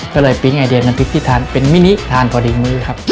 ก็เลยปิ๊งไอเดียน้ำพริกที่ทานเป็นมินิทานพอดีมื้อครับ